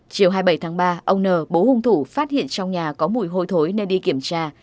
chiều hai mươi bảy tháng ba ông n bố hung thủ phát hiện trong nhà có mùi hôi thối nên đi kiểm tra